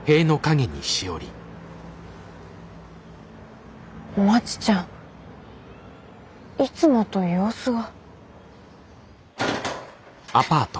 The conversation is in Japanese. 心の声まちちゃんいつもと様子が。